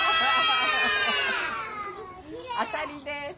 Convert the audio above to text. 当たりです。